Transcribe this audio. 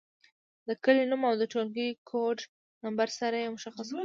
د کلي نوم او د ټولګي کوډ نمبر سره یې مشخص کړئ.